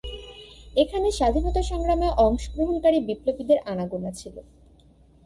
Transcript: এখানে স্বাধীনতা সংগ্রামে অংশগ্রহণকারী বিপ্লবীদের আনাগোনা ছিল।